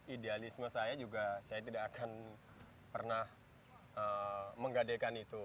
idealisme saya juga saya tidak akan pernah menggadekan itu